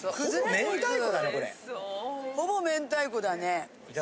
ほぼ明太子だね。